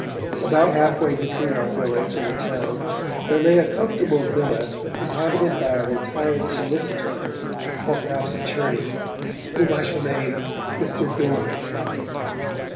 About half way between our village and the town there lay a comfortable villa inhabited by a retired solicitor, or perhaps attorney, whom I shall name Mr. Dormant.